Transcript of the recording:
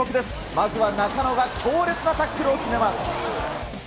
まずは中野が強烈なタックルを決めます。